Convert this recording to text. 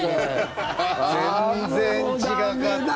全然違かった。